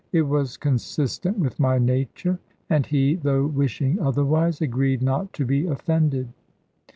It was consistent with my nature; and he, though wishing otherwise, agreed not to be offended.